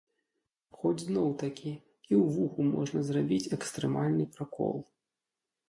Хоць зноў-такі, і ў вуху можна зрабіць экстрэмальны пракол.